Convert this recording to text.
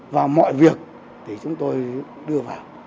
và mọi việc thì chúng tôi đưa vào